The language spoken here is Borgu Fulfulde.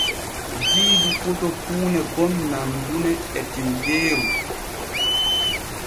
Diidu foto huune gon nandune e tiwgeeru.